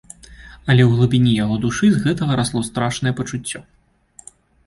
Але ў глыбіні яго душы з гэтага расло страшнае пачуццё.